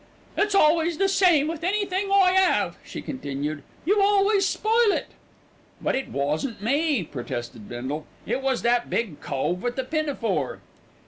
"It's always the same with anything I 'ave," she continued. "You always spoil it." "But it wasn't me," protested Bindle. "It was that big cove with the pinafore."